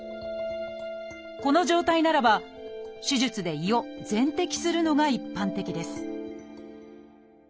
この状態ならば手術で胃を全摘するのが一般的です